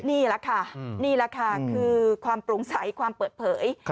นี่แหละค่ะคือความปรุงใสความเปิดเผย